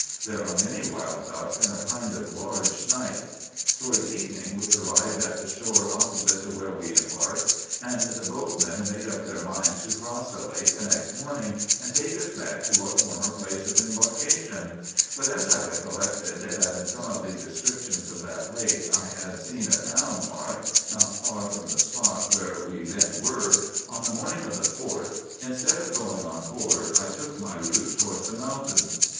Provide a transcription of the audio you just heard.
There are many wild ducks and a kind of large snipe. Towards evening we arrived at the shore opposite to where we embarked, and the boat men made up their minds to cross the lake the next morning, and take us back to our former place of embarkation ; but as I recollected, that in some of the descriptions of that lake I had seen a town marked not far from the spot where we then were, on the morning of the 4th, instead of going on board, I took my IN EGYPT, NUBIA, &c. 385 route towards the mountains.